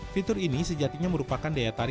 fitur ini sejatinya merupakan daya tarik